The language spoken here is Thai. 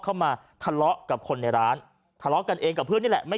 เข้ามาทะเลาะกับคนในร้านทะเลาะกันเองกับเพื่อนนี่แหละไม่